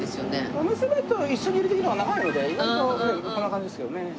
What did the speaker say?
娘と一緒にいる時の方が長いので意外とこんな感じですよね。